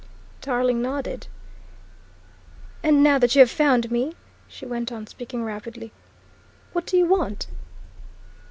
Tarling nodded. "And now that you have found me," she went on, speaking rapidly, "what do you want?"